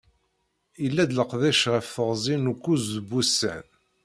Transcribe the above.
Yella-d leqdic ɣef teɣzi n ukuẓ n wussan.